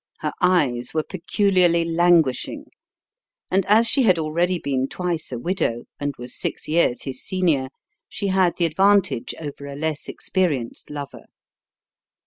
Her eyes were peculiarly languishing, and, as she had already been twice a widow, and was six years his senior, she had the advantage over a less experienced lover.